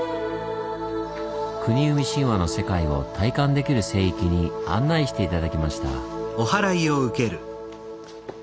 国生み神話の世界を体感できる聖域に案内して頂きました。